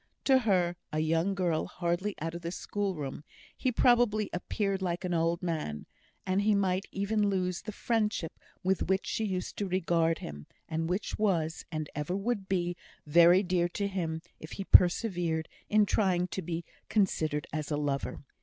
To her, a young girl hardly out of the schoolroom, he probably appeared like an old man; and he might even lose the friendship with which she used to regard him, and which was, and ever would be, very dear to him, if he persevered in trying to be considered as a lover.